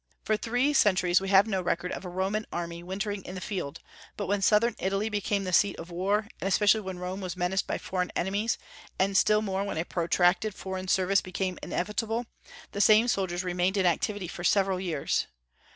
For three centuries we have no record of a Roman army wintering in the field; but when Southern Italy became the seat of war, and especially when Rome was menaced by foreign enemies, and still more when a protracted foreign service became inevitable, the same soldiers remained in activity for several years.